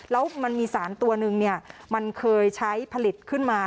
แล้วมันมีสารตัวนึงมันเคยใช้ผลิตขึ้นมา